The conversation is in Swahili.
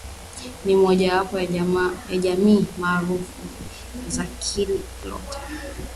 Ni mojawapo ya jamii maarufu za Kinilote